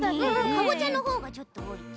かぼちゃのほうがちょっとおおいち。